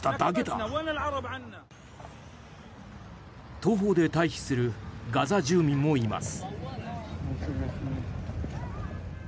徒歩で退避するガザ住民もいます。